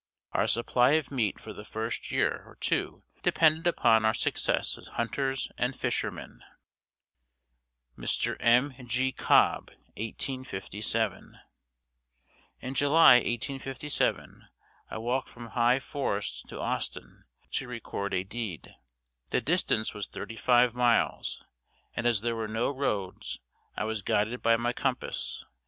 Our supply of meat for the first year or two depended upon our success as hunters and fishermen. Mr. M. G. Cobb 1857. In July 1857, I walked from High Forest to Austin to record a deed. The distance was thirty five miles, and as there were no roads, I was guided by my compass.